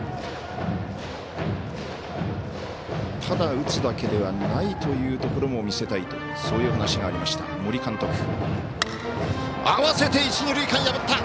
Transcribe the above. ただ、打つだけではないというところも見せたいと、そういう話がありました、森監督。